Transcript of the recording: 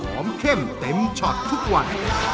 เข้มเต็มช็อตทุกวัน